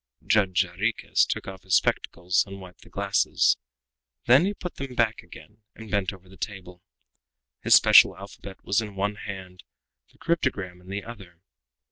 Judge Jarriquez took off his spectacles and wiped the glasses; then he put them back again and bent over the table. His special alphabet was in one hand, the cryptogram in the other.